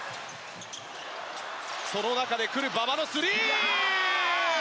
その中で来る馬場のスリー！